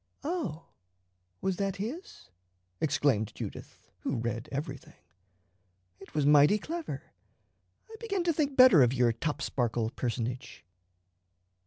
"Oh, was that his?" exclaimed Judith, who read everything. "It was mighty clever. I begin to think better of your Topsparkle personage."